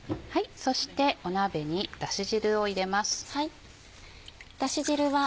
そして鍋にだし汁を入れます。